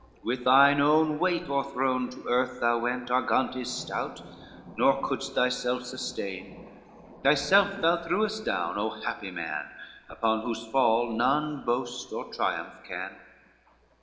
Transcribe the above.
With thine own weight o'erthrown to earth thou went, Argantes stout, nor could'st thyself sustain, Thyself thou threwest down, O happy man, Upon whose fall none boast or triumph can!